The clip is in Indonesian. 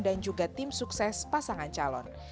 dan juga tim sukses pasangan calon